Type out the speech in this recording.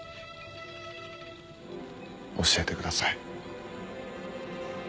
教えてください。